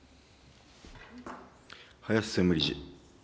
林専務理事。